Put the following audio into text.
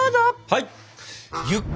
はい！